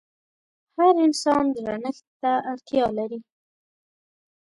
هر انسان درنښت ته اړتيا لري.